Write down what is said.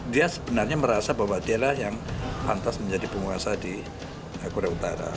dia sebenarnya merasa bahwa dialah yang pantas menjadi penguasa di korea utara